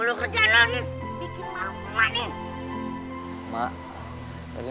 bikin marumah nih